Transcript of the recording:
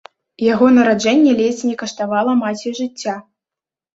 Яго нараджэнне ледзь не каштавала маці жыцця.